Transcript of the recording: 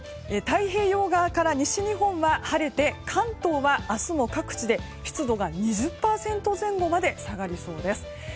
太平洋側から西日本は晴れて関東は明日も各地で湿度が２０％前後まで下がりそうです。